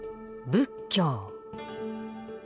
仏教。